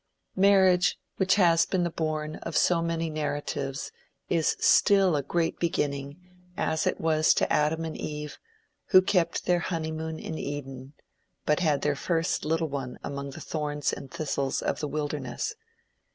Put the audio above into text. Marriage, which has been the bourne of so many narratives, is still a great beginning, as it was to Adam and Eve, who kept their honeymoon in Eden, but had their first little one among the thorns and thistles of the wilderness.